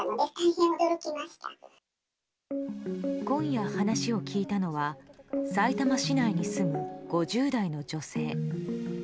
今夜、話を聞いたのはさいたま市内に住む５０代の女性。